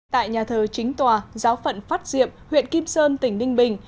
tại nhà thờ chính tòa giáo phận phát diệm huyện kim sơn tỉnh ninh bình